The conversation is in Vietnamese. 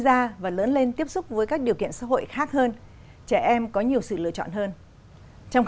ra và lớn lên tiếp xúc với các điều kiện xã hội khác hơn trẻ em có nhiều sự lựa chọn hơn trong